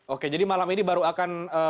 oke jadi malam ini baru akan